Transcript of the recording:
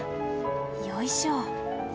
よいしょ。